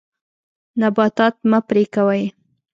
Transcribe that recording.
نباتات مه پرې کوئ.